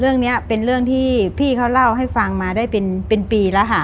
เรื่องนี้เป็นเรื่องที่พี่เขาเล่าให้ฟังมาได้เป็นปีแล้วค่ะ